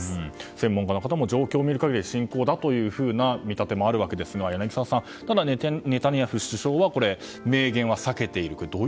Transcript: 専門家の方も状況を見る限り侵攻だという見立てもあるわけですが柳澤さんネタニヤフ首相は明言は避けている。